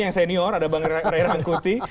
yang senior ada bang ray rangkuti